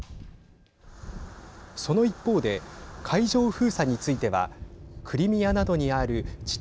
その一方で海上封鎖についてはクリミアなどにある地